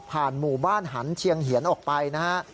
หมู่บ้านหันเชียงเหียนออกไปนะฮะ